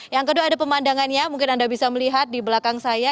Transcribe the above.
yang kedua ada pemandangannya mungkin anda bisa melihat di belakang saya